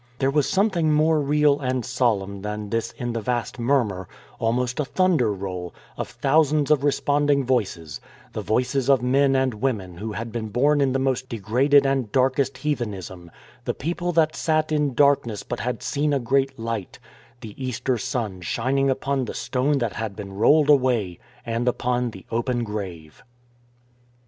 "There was something more real and solemn than this in the vast murmur, almost a thunder roll, of thousands of responding voices, the voices of men and women who had been born in the most degraded and darkest heathenism, the people that sat in darkness but had seen a great light; the Easter sun shining upon the stone that had been rolled away, and upon the open grave."